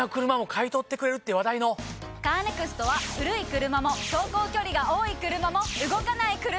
カーネクストは古い車も走行距離が多い車も動かない車でも。